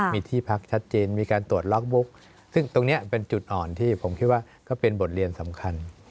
มีที่พักชัดเจนมีการตรวจล็อกบุ๊กซึ่งตรงนี้เป็นจุดอ่อนที่ผมคิดว่าก็เป็นบทเรียนสำคัญ